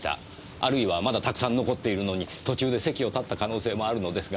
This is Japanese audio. あるいはまだたくさん残っているのに途中で席を立った可能性もあるのですが。